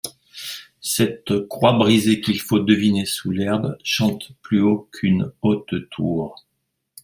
Cette croix brisée qu'il faut deviner sous l'herbe chante plus haut qu'une haute tour.